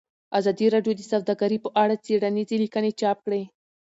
ازادي راډیو د سوداګري په اړه څېړنیزې لیکنې چاپ کړي.